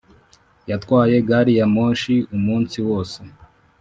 yatwaye gari ya moshi umunsi wose